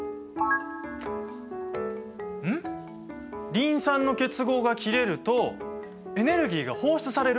リン酸の結合が切れるとエネルギーが放出される？